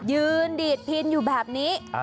ยืนดีดพินอยู่แบบนี้